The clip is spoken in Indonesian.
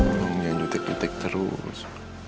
tolong jangan jutek jutek terus